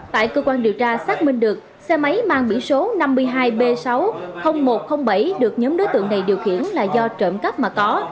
tại cơ quan điều tra xác minh được xe máy mang biển số năm mươi hai b sáu mươi nghìn một trăm linh bảy được nhóm đối tượng này điều khiển là do trộm cắp mà có